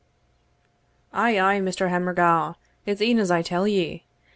"Ay, ay, Mr. Hammorgaw, it's e'en as I tell ye.